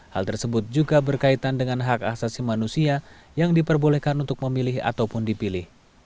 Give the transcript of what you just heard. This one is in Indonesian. hal tersebut juga berkaitan dengan hak asasi manusia yang diperbolehkan untuk memilih ataupun dipilih